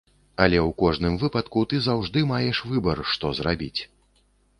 Але ў кожным выпадку, ты заўжды маеш выбар, што зрабіць.